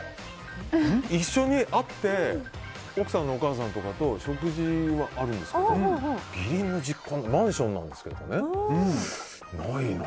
一緒に会って奥さんのお母さんとかと食事はあるんですけど義理の実家マンションなんですけどねないな。